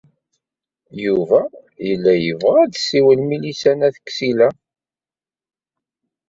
Yuba yella yebɣa ad d-tessiwel Milisa n At Ksila.